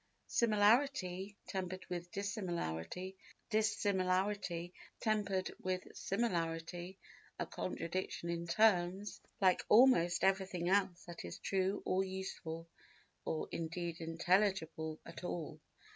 Similarity tempered with dissimilarity, and dissimilarity tempered with similarity—a contradiction in terms, like almost everything else that is true or useful or indeed intelligible at all.